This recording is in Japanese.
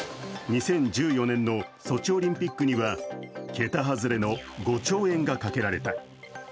２０１４年のソチオリンピックには桁外れの５兆円がかけられた。